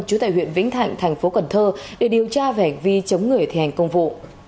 chú tài huyện vĩnh thạnh thành phố cần thơ để điều tra vẻ vi chống người thi hành công vụ